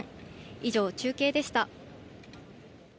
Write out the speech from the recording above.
以上、中継でした。